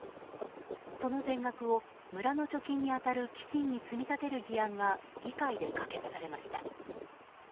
その全額を村の貯金に当たる基金に積み立てる議案が議会で可決されました。